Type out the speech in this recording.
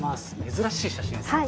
珍しい写真ですか？